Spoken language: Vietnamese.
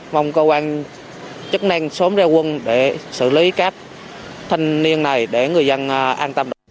mong cơ quan chức năng sớm ra quân để xử lý các thanh niên này để người dân an tâm